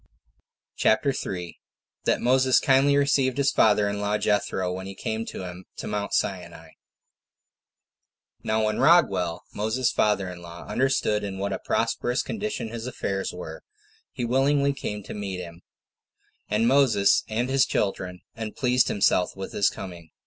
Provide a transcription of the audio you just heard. CHAPTER 3. That Moses Kindly Received His Father In Law, Jethro, When He Came To Him To Mount Sinai. Now when Raguel, Moses's father in law, understood in what a prosperous condition his affairs were, he willingly came to meet him and Moses and his children, and pleased himself with his coming.